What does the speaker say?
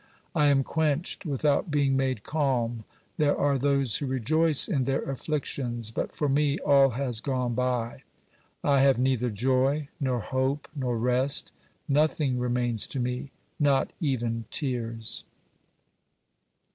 I am quenched without being made calm. There are those who rejoice in their afflictions, but for me all has gone by ; I have neither joy, nor hope, nor rest : nothing remains to me, not even tears.